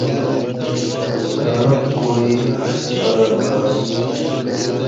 زعں کوعی ݜیالہ بعا س